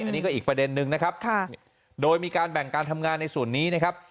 อันนี้ก็อีกประเด็นนึงนะครับโดยมีการแบ่งการทำงานในส่วนนี้นะครับ